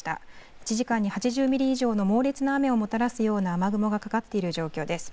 １時間に８０ミリ以上の猛烈な雨をもたらすような雨雲がかかっているような状況です。